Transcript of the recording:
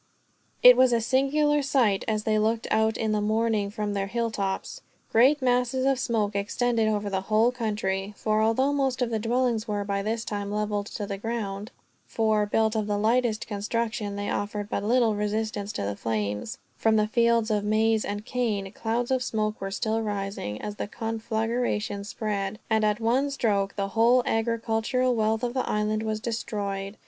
It was a singular sight, as they looked out in the morning from their hilltops. Great masses of smoke extended over the whole country; for although most of the dwellings were, by this time, leveled to the ground for, built of the lightest construction, they offered but little resistance to the flames from the fields of maize and cane, clouds of smoke were still rising, as the conflagration spread; and at one stroke the whole agricultural wealth of the island was destroyed.